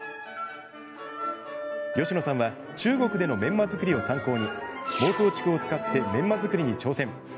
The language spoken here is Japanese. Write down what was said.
吉野さんは中国でのメンマ作りを参考に孟宗竹を使ってメンマ作りに挑戦。